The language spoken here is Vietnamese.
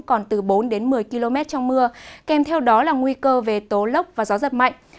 còn từ bốn đến một mươi km trong mưa kèm theo đó là nguy cơ về tố lốc và gió giật mạnh